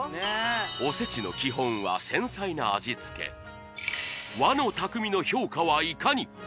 おせちの基本は繊細な味つけ和の匠の評価はいかに？